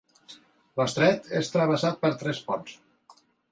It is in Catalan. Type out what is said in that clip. L'estret és travessat per tres ponts.